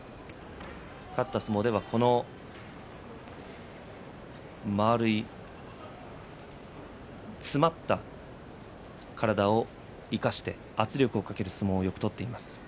勝った相撲ではこの丸い詰まった体を生かして圧力をかける相撲を取っています。